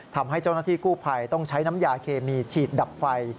ทำให้เจ้าหน้าที่กู้ภัยต้องใช้น้ำยาเคมีฉีดดับไฟ